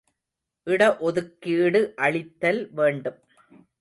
இடஒதுக்கீடு அளித்தல் வேண்டும்.